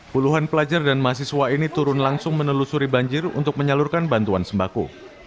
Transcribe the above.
puluhan pelajar dan mahasiswa ini turun langsung menelusuri banjir untuk menyalurkan bantuan sembako